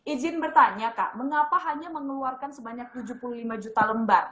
izin bertanya kak mengapa hanya mengeluarkan sebanyak tujuh puluh lima juta lembar